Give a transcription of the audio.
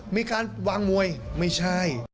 มีการวางมวยไม่ใช่